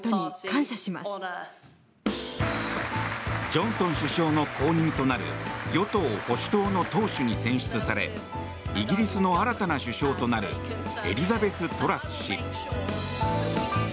ジョンソン首相の後任となる与党・保守党の党首に選出されイギリスの新たな首相となるエリザベス・トラス氏。